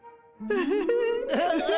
ウフフフフ。